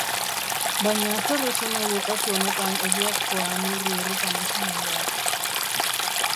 Baina zer esan nahi du kasu honetan egiazkoa neurri horretan esamoldeak?